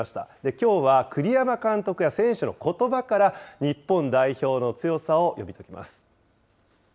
きょうは栗山監督や選手のことばから、日本代表の強さを読み解きます。